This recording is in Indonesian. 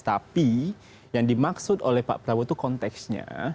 tapi yang dimaksud oleh pak prabowo itu konteksnya